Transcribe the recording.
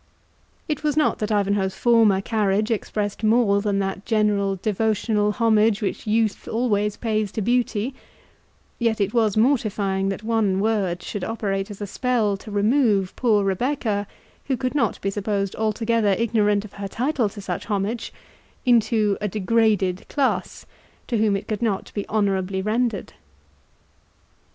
It was not that Ivanhoe's former carriage expressed more than that general devotional homage which youth always pays to beauty; yet it was mortifying that one word should operate as a spell to remove poor Rebecca, who could not be supposed altogether ignorant of her title to such homage, into a degraded class, to whom it could not be honourably rendered.